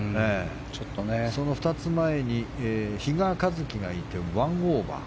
その２つ前に比嘉一貴がいて１オーバー。